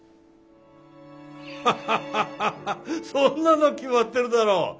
ハハハハハッそんなの決まってるだろ。